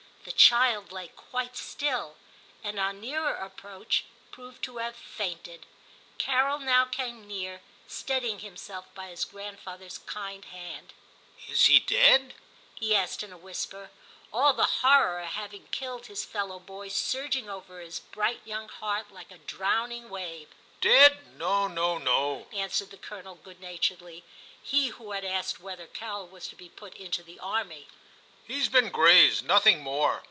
The child lay quite still, and on nearer approach proved to have fainted. Carol now came near, steadying himself by his grandfather's kind hand. * Is he dead }* he asked in a whisper, all the horror of having killed his fellow boy surging over his bright young heart like a drowning wave. * Dead ! no, no, no,' answered the Colonel good naturedly (he who had asked whether Carol was to be put into the army) ;* he's been grazed, nothing more.